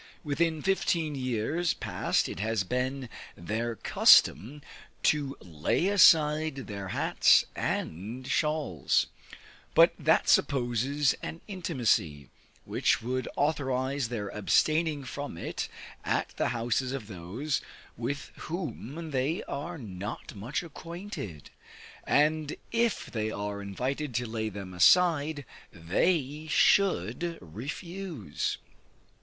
Within fifteen years past it has been their custom to lay aside their hats and shawls; but that supposes an intimacy, which would authorize their abstaining from it at the houses of those with whom they are not much acquainted; and, if they are invited to lay them aside, they should refuse.